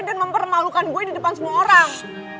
dan mempermalukan gue di depan semua orang